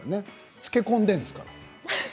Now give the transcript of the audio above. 漬け込んであるんですか。